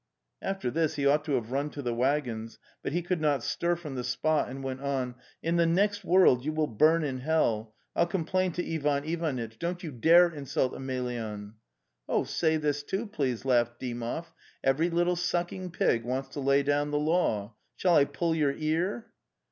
" After this he ought to have run to the waggons, but he could not stir from the spot and went on: "In the next world you will burn in hell! Tl complain to Ivan Ivanitch. Don't you dare insult Emelyan! "''' Say this too, please," laughed Dymov: "' every little sucking pig wants to lay down the law.' Shall T pull your) ear?)